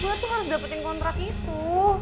gue tuh harus dapetin kontrak itu